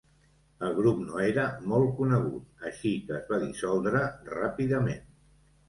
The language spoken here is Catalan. El grup no era molt conegut, així que es va dissoldre ràpidament.